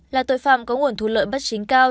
là tội phạm có nguồn thu lợi bất chính cao